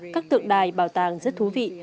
các tượng đài bảo tàng rất thú vị